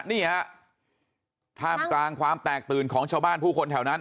นี่ฮะท่ามกลางความแตกตื่นของชาวบ้านผู้คนแถวนั้น